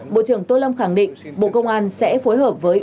bộ trưởng tô lâm khẳng định bộ công an sẽ phối hợp với